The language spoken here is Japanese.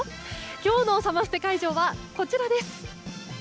今日のサマステ会場はこちらです。